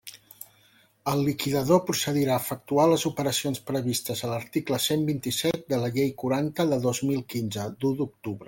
El liquidador procedirà a efectuar les operacions previstes a l'article cent vint-i-set de la Llei quaranta de dos mil quinze, d'u d'octubre.